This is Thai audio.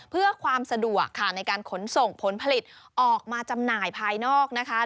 เพื่อความสะดวกค่ะในการขนส่งผลผลิตออกมาจำหน่ายภายนอกนะคะ